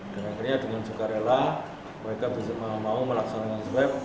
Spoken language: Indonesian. dan akhirnya dengan sukarela mereka bisa mau mau melaksanakan swab